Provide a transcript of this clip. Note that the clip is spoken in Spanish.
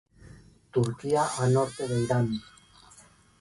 Turquía a norte de Irán.